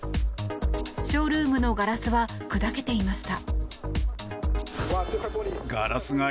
ショールームのガラスは砕けていました。